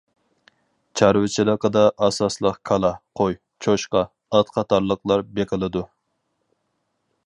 چارۋىچىلىقىدا ئاساسلىق كالا، قوي، چوشقا، ئات قاتارلىقلار بېقىلىدۇ.